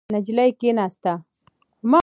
نجلۍ کېناسته.